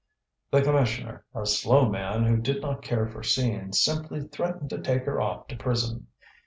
The commissioner, a slow man who did not care for scenes, simply threatened to take her off to prison.